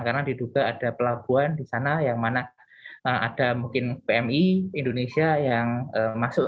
karena diduga ada pelabuhan di sana yang mana ada mungkin pmi indonesia yang masuk